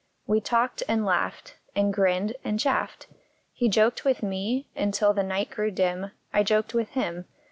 We talked and laughed, And grinned and chaffed. He joked with me, and till the light grew dim I joked with him.